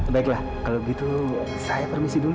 baiklah kalau begitu saya permisi dulu